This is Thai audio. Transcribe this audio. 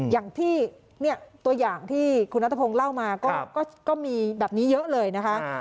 อย่างที่ตัวอย่างที่คุณนัทพงศ์เล่ามาก็มีแบบนี้เยอะเลยนะคะ